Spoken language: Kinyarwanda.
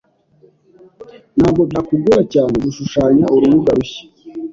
Ntabwo byakugora cyane gushushanya urubuga rushya.